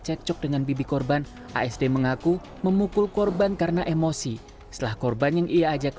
cekcok dengan bibi korban asd mengaku memukul korban karena emosi setelah korban yang ia ajak